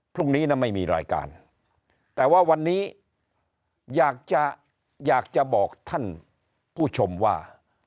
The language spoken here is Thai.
พรุ่งนี้นะไม่มีรายการแต่ว่าวันนี้อยากจะอยากจะบอกท่านผู้ชมว่า